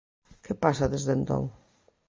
Que pasa desde entón?